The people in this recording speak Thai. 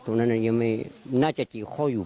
ตรงนั้นน่าจะเกียจข้ออยู่